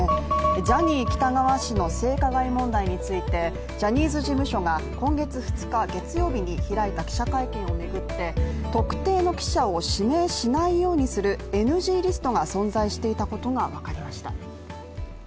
ジャニー喜多川氏の性加害問題について、ジャニーズ事務所が、今月２日月曜日に開いた記者会見を巡って特定の記者を指名しないようにするＮＧリストが存在していたことが分かりました。